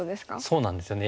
そうなんですよね。